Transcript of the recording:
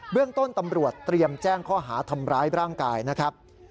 เรื่องต้นตำรวจเตรียมแจ้งข้อหาทำร้ายร่างกายนะครับ